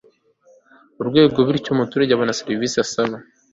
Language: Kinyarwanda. n urwego bityo umuturage abone serivisi asaba mu